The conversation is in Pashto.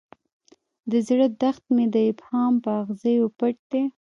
د زړه دښت مې د ابهام په اغزیو پټ دی.